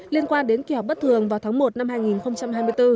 liên quan đến kỳ họp bất thường vào tháng một năm hai nghìn hai mươi bốn